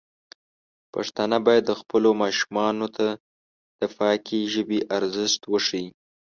پښتانه بايد خپلو ماشومانو ته د پاکې ژبې ارزښت وښيي.